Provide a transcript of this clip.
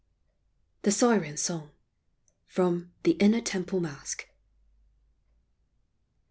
THE SIRENS' SONG. FROM THE " INNER TEMPLE MASQUE."